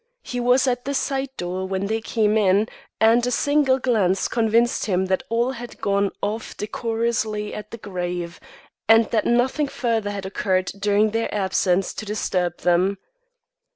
He was at the side door when they came in, and a single glance convinced him that all had gone off decorously at the grave, and that nothing further had occurred during their absence to disturb them.